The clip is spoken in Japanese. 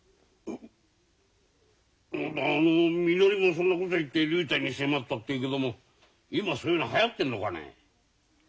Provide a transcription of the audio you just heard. うみのりもそんなこと言って竜太に迫ったってえけども今そういうのはやってんのかね？